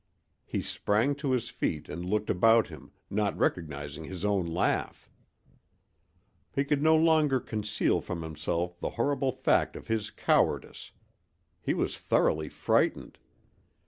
He sprang to his feet and looked about him, not recognizing his own laugh. He could no longer conceal from himself the horrible fact of his cowardice; he was thoroughly frightened!